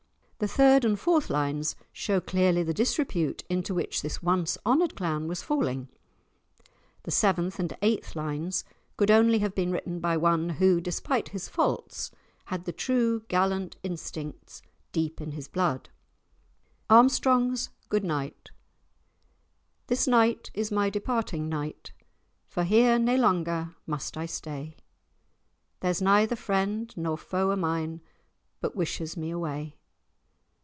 The third and fourth lines show clearly the disrepute into which this once honoured clan was falling; the seventh and eighth lines could only have been written by one who, despite his faults, had the true gallant instincts deep in his blood. ARMSTRONG'S GOOD NIGHT "This night is my departing night, For here nae langer must I stay; There's neither friend nor foe o' mine, But wishes me away.